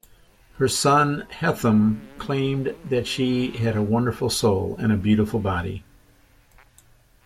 Her son Hethum claimed that she had a wonderful soul and a beautiful body.